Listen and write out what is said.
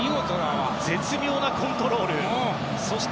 絶妙なコントロールでした。